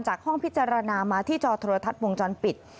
ห้องพิจารณามาที่จอโทรทัศน์วงจรปิด